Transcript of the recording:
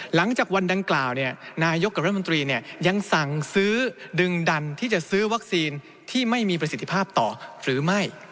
หลังจากวันดังกล่าวนายกกับรัฐมนตรียังสั่งซื้อดึงดันที่จะซื้อวัคซีนที่ไม่มีประสิทธิภาพต่อหรือไม่